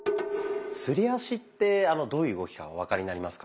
すり足ってどういう動きかお分かりになりますか？